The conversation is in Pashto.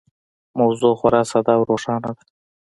موضوع خورا ساده او روښانه ده.